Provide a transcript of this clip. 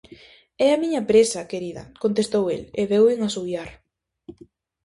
-É a miña presa, querida -contestou el, e deu en asubiar.